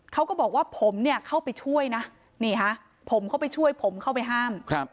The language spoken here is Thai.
เขาก็บอกว่าผมเนี่ยเข้าไปช่วยนะนี่ฮะผมเข้าไปช่วยผมเข้าไปห้าม